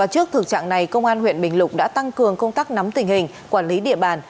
trước thực trạng này công an huyện bình lục đã tăng cường công tác nắm tình hình quản lý địa bàn